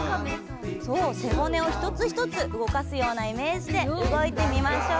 そうせぼねを１つ１つうごかすようなイメージでうごいてみましょう。